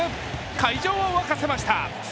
会場を沸かせました。